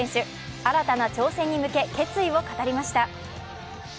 新たな挑戦に向け、決意を語りました。